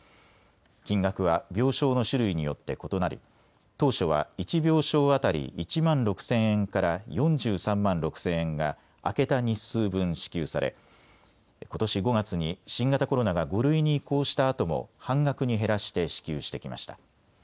金額は病床の種類によって異なり当初は１病床当たり１万６０００円から４３万６０００円が空けた日数分、支給されことし５月に新型コロナが５類に移行したあとも半額に減らして支給してきました。